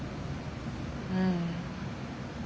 うん。